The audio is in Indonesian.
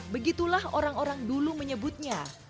begitulah orang orang dulu menyebutnya